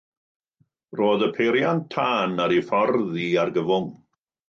Roedd y peiriant tân ar ei ffordd i argyfwng.